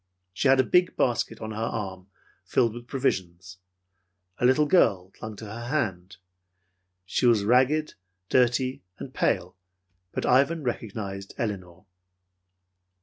She had a big basket on her arm, filled with provisions. A little girl clung to her other hand. She was ragged, dirty and pale; but Ivan recognized Elinor.